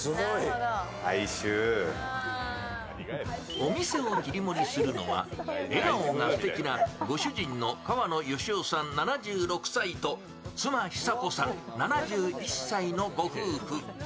お店を切り盛りするのは笑顔がすてきなご主人の河野克夫さん７６歳と妻久子さん、７１歳のご夫婦。